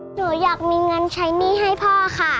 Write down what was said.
หนูอยากมีเงินใช้หนี้ให้พ่อค่ะ